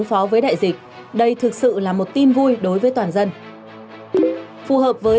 hướng thứ bốn là hướng dịch vụ